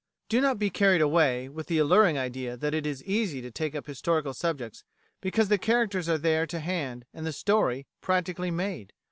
Do not be carried away with the alluring idea that it is easy to take up historical subjects because the characters are there to hand, and the "story" practically "made."